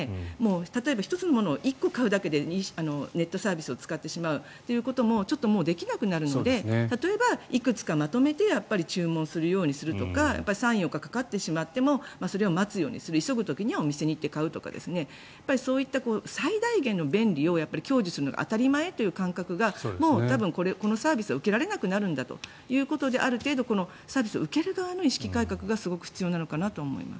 例えば１つのものを１個買うだけでネットサービスを使ってしまうということもちょっともうできなくなるので例えばいくつかまとめて注文するようにするとか３４日かかってしまってもそれを待つようにする急ぐ時はお店に行って買うとかそういった最大限の便利を享受するのが当たり前という感覚がこのサービスは受けられなくなるんだということである程度、サービスを受ける側の意識改革が必要なのかと思います。